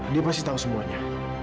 dia pasti tahu semuanya